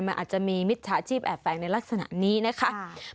มันอาจจะมีมิจฉาชีพแอบแฝงในลักษณะนี้นะคะ